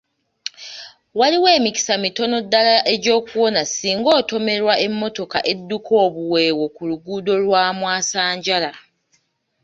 Waliwo emikisa mitono ddaala egy'okuwona singa otomerwa emmotoka edduka obuweewo ku luguudo lwa mwasanjala.